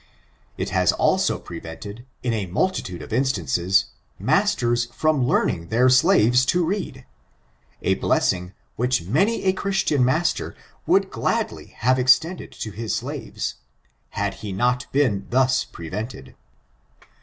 It has also prevented, in a multitude of instances, mas ters from learning their slaves to read — a blessing which many a Christian master would gladly have extended to his slaves, had he not been thus pre vented.